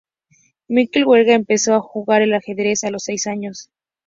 Mikel Huerga empezó a jugar al ajedrez a los seis años.